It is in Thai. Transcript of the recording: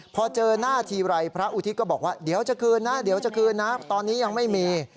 พอเจอหน้าทีวัยพระอุทิศก็บอกว่าเดี๋ยวจะคืนนะตอนนี้ยังไม่มี